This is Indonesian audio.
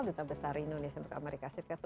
duta besar indonesia untuk amerika serikat